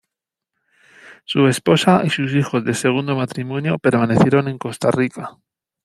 Su esposa y sus hijos de segundo matrimonio permanecieron en Costa Rica.